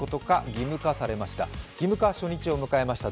義務化初日を迎えました